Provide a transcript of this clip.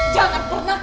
jangan pernah kaget